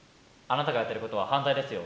あなたがやってることは犯罪ですよ。